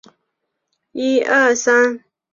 首府利沃夫。